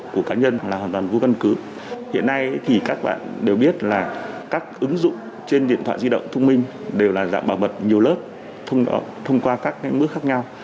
các thông tin cá nhân là hoàn toàn vô cân cứ hiện nay thì các bạn đều biết là các ứng dụng trên điện thoại di động thông minh đều là dạng bảo vật nhiều lớp thông qua các mức khác nhau